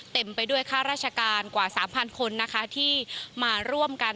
เต็มไปด้วยค่าราชการกว่า๓๐๐คนนะคะที่มาร่วมกัน